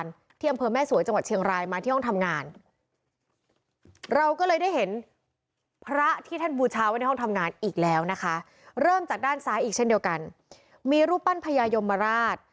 เริ่มจากด้านซ้ายอีกเช่นเดียวกันมีรูปปั้นพญายมราช